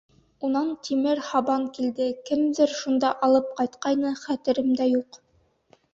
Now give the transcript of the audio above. Унан тимер һабан килде, кемдер шунда алып ҡайтҡайны, хәтеремдә юҡ.